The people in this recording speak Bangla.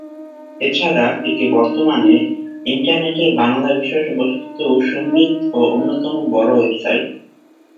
এছাড়া এটি বর্তমানে ইন্টারনেটের বাংলা বিষয়বস্তু সমৃদ্ধ অন্যতম বড়ো ওয়েবসাইট।